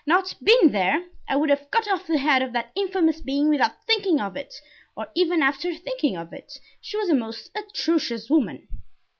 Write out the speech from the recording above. —not been there, I would have cut off the head of that infamous being without thinking of it, or even after thinking of it. She was a most atrocious woman."